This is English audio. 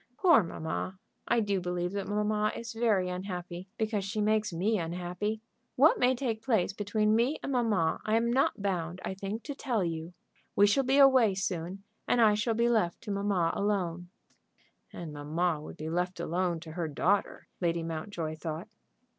"Poor mamma! I do believe that mamma is very unhappy, because she makes me unhappy. What may take place between me and mamma I am not bound, I think, to tell you. We shall be away soon, and I shall be left to mamma alone." And mamma would be left alone to her daughter, Lady Mountjoy thought.